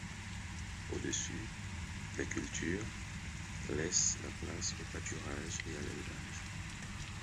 Au-dessus, les cultures laissent la place aux pâturages et à l'élevage.